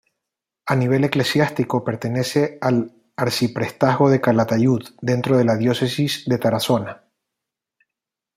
A nivel eclesiástico pertenece al arciprestazgo de Calatayud, dentro de la diócesis de Tarazona.